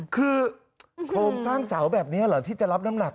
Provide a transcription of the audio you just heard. คือโครงสร้างเสาแบบนี้เหรอที่จะรับน้ำหนัก